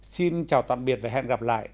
xin chào tạm biệt và hẹn gặp lại